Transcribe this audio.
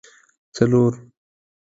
څلور